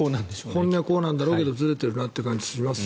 本音はこうなんだけどずれてるなという感じがします。